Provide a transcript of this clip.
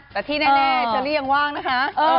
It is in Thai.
แต่ที่แน่เชอรี่ยังว่างนะคะ